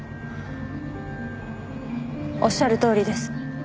おっしゃるとおりです。